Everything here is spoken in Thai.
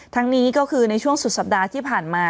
นี้ก็คือในช่วงสุดสัปดาห์ที่ผ่านมา